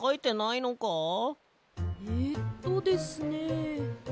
えっとですね